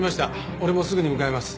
俺もすぐに向かいます。